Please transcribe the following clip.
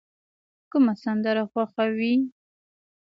کومه سندره خوښوئ؟